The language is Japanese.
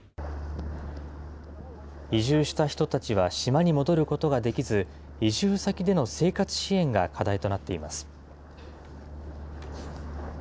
移住した人たちは島に戻ることができず、移住先での生活支援が課題となっています。